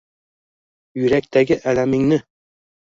Yurakdagi alamingni